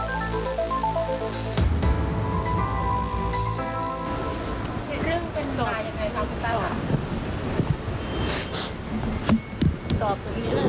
ต่อตรงนี้นะครับ